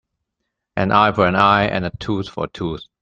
An eye for an eye and a tooth for a tooth.